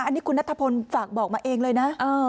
อันนี้คุณนัทพลฝากบอกมาเองเลยนะ